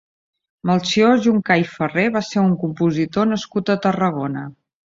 Melcior Juncà i Farré va ser un compositor nascut a Tarragona.